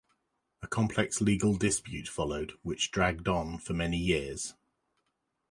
A complex legal dispute followed, which dragged on for many years.